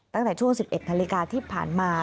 ตั้งแต่ช่วง๑๑นาฬิกาที่ผ่านมา